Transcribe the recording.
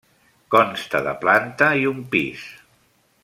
Consta de planta i un pis.